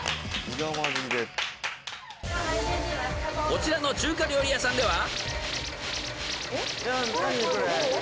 ［こちらの中華料理屋さんでは］